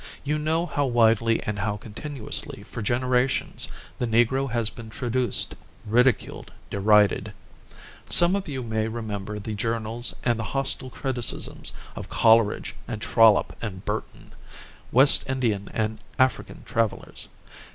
You know how widely and how continuously, for generations, the Negro has been traduced, ridiculed, derided. Some of you may remember the journals and the hostile criticisms of Coleridge and Trollope and Burton, West Indian and African travelers.